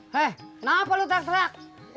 hei kenapa lo tak terak